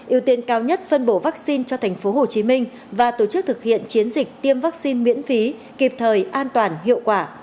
yêu tiên cao nhất phân bổ vaccine cho thành phố hồ chí minh và tổ chức thực hiện chiến dịch tiêm vaccine miễn phí kịp thời an toàn hiệu quả